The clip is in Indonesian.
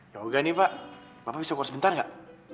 yoga nih pak bapak bisa kurang sebentar gak